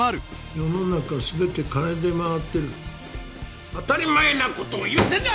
世の中全て金で回ってる当たり前なことを言わせるな！